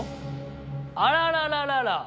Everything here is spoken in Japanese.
あららららら！